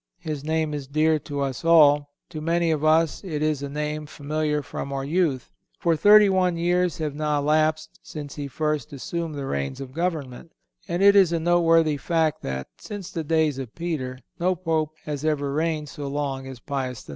His name is dear to us all. To many of us it is a name familiar from our youth; for thirty one years have now elapsed since he first assumed the reins of government; and it is a noteworthy fact that, since the days of Peter, no Pope has ever reigned so long as Pius IX.